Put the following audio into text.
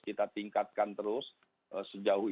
kita tingkatkan terus sejauh